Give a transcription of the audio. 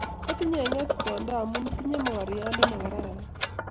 otinye ngetkongta amu itinye mokorionde ne kararan